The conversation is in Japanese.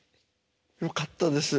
よかったです。